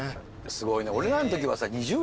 すごいね。